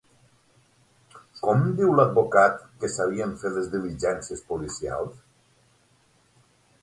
Com diu l'advocat que s'havien fet les diligències policials?